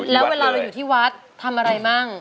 แล้วเวลาเราอยู่ที่วัดทำอะไรมั่ง